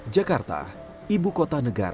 jakarta ibu kota negara